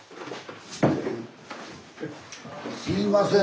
すいません